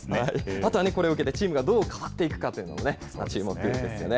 あとは、これを受けてチームがどう変わっていくかというのも注目ですよね。